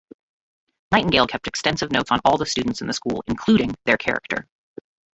Nightingale kept extensive notes on all the students in the school, including their 'character'.